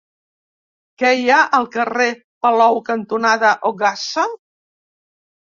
Què hi ha al carrer Palou cantonada Ogassa?